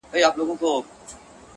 o انسان حیوان دی، حیوان انسان دی.